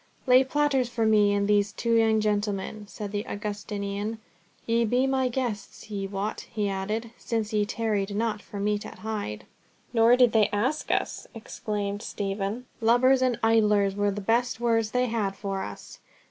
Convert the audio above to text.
"Lay platters for me and these two young gentlemen," said the Augustinian. "Ye be my guests, ye wot," he added, "since ye tarried not for meat at Hyde." "Nor did they ask us," exclaimed Stephen; "lubbers and idlers were the best words they had for us."